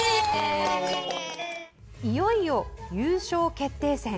いよいよ優勝決定戦。